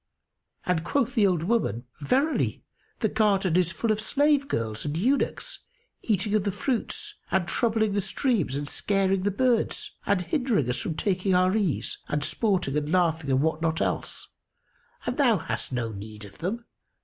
and quoth the old woman, "Verily the garden is full of slave girls and eunuchs, eating of the fruits and troubling the streams and scaring the birds and hindering us from taking our ease and sporting and laughing and what not else; and thou hast no need of them.